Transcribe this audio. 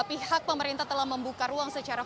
pihak pemerintah telah membuka ruang secara